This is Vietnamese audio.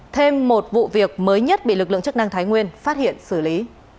thêm một vụ việc mới nhất bị lực lượng chức năng thái nguyên phát hiện xử lý